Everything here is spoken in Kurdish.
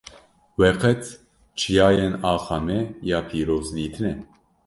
We qet çiyayên axa me ya pîroz dîtine?